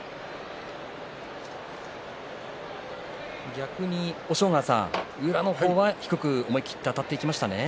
逆に押尾川さん宇良の方も低く思い切りあたっていきましたね。